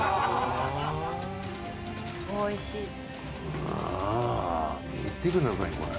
うわっ見てくださいこれ。